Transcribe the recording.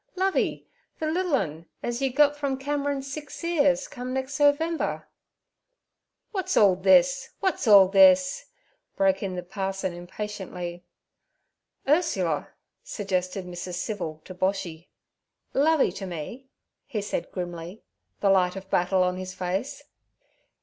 'Lovey, ther liddle un az you gut from Cameron's six 'ears come nex' November.' 'What's all this? What's all this?' broke in the parson impatiently. 'Ursula' suggested Mrs. Civil to Boshy. 'Lovey t' me' he said grimly, the light of battle on his face.